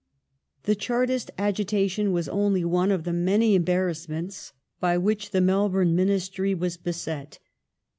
The Chartist agitation was only one of the many embarrass ments by which the Melbourne Ministry was beset.